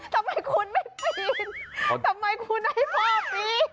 ทำไมคุณไม่ปีนทำไมคุณให้พ่อปี